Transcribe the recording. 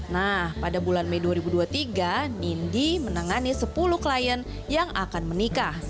nah pada bulan mei dua ribu dua puluh tiga nindi menangani sepuluh klien yang akan menikah